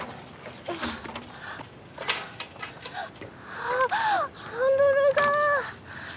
あっハンドルが。